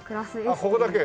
あっここだけ？